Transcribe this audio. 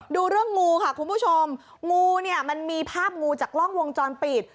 ดูเรื่องงูค่ะคุณผู้ชมงูเนี่ยมันมีภาพงูจากกล้องวงจรปิด